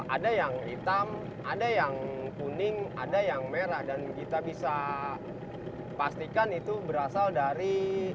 ada yang hitam ada yang kuning ada yang merah dan kita bisa pastikan itu berasal dari